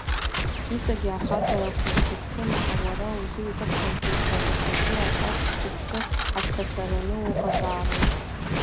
Иҵагьы ахаҵарақәа узыԥшын, аха уара узы иҵыхәтәантәихаз иахьатәи ашәаԥшь уԥсы ацҭашәараны уҟазаарын!